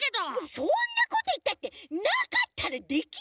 そんなこといったってなかったらできないって！